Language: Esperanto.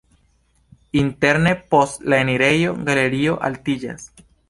Interne post la enirejo galerio altiĝas.